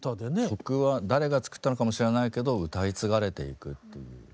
曲は誰が作ったのかも知らないけど歌い継がれていくっていう。